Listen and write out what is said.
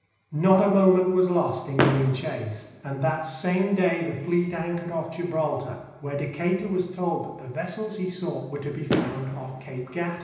Not a moment was lost in giving chase, and that same day the fleet anchored off Gibraltar, where Decatur was told that the vessels he sought were to be found off Cape Gata.